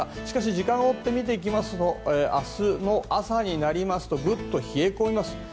しかし時間を追って見てみると明日の朝になるとグッと冷え込みます。